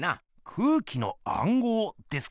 空気のあんごうですか？